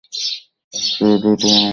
অবশ্যই যদি তোমার আঙুলের ছাপ না হয় তো।